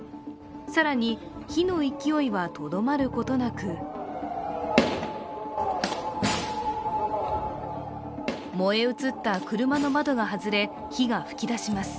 更に火の勢いはとどまることなく燃え移った車の窓が外れ、火が噴き出します。